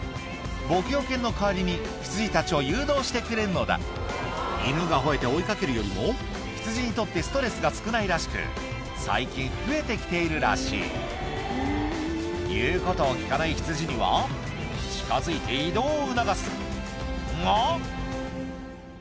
牧羊犬の代わりに羊たちを誘導してくれるのだ犬が吠えて追い掛けるよりも羊にとってストレスが少ないらしく最近増えて来ているらしい言うことを聞かない羊には近づいて移動を促すが！